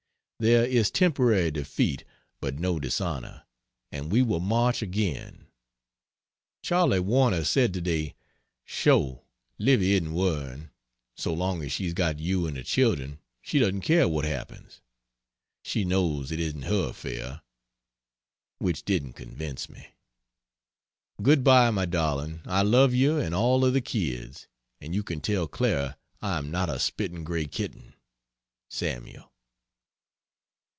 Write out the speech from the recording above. There is temporary defeat, but no dishonor and we will march again. Charley Warner said to day, "Sho, Livy isn't worrying. So long as she's got you and the children she doesn't care what happens. She knows it isn't her affair." Which didn't convince me. Good bye my darling, I love you and all of the kids and you can tell Clara I am not a spitting gray kitten. SAML.